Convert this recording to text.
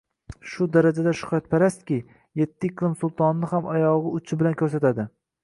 Shu darajada shuhratparastki, yetti iqlim sultonini ham oyogʼi uchi bilan koʼrsatadi.